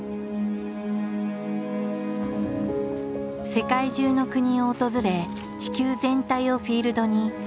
世界中の国を訪れ地球全体をフィールドに撮影を続けている。